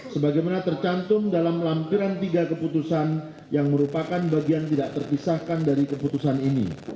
sebagaimana tercantum dalam lampiran tiga keputusan yang merupakan bagian tidak terpisahkan dari keputusan ini